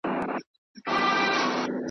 زلمي بېریږي له محتسبه .